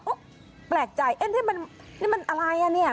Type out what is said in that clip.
อุ๊ยแปลกใจเอ๊ะนี่มันนี่มันอะไรอ่ะเนี้ย